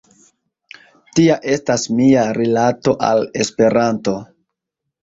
Tia estas mia rilato al Esperanto.